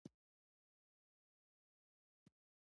قانون د اداري واک د محدودولو وسیله ده.